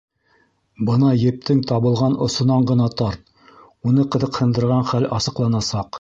Бына ептең табылған осонан ғына тарт, уны ҡыҙыҡһындырған хәл асыҡланасаҡ.